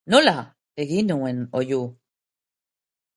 Nola! Egin nuen oihu.